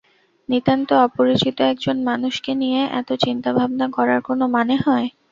নিতান্ত অপরিচিত একজন মানুষকে নিয়ে এত চিন্তাভাবনা করার কোনো মানে হয়!